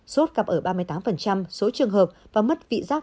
sốt gặp ở ba mươi tám số trường hợp và mất vị giác